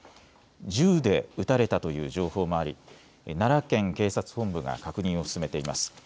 銃で撃たれたという情報もあり奈良県警察本部が確認を進めています。